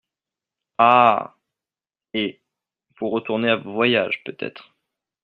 Ah !… et … vous retournez à vos voyages, peut-être.